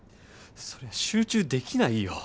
そりゃ集中できないよ。